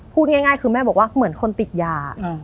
พูดง่ายคือแม่บอกว่าเหมือนคนติดยา